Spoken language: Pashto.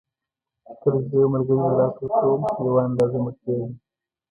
کله چې زه یو ملګری له لاسه ورکوم یوه اندازه مړ کېږم.